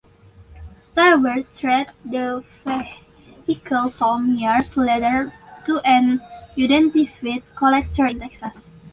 Starbird traded the vehicle some years later to an unidentified collector in Texas.